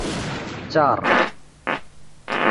চার